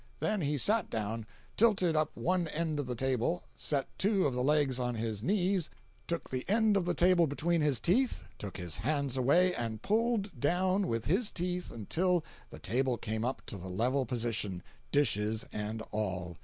Then he sat down, tilted up one end of the table, set two of the legs on his knees, took the end of the table between his teeth, took his hands away, and pulled down with his teeth till the table came up to a level position, dishes and all!